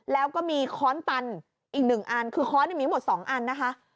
แล้วก็มีค้อนตันอีก๑อันคือค้อนมีทั้งหมด๒อันนะคะ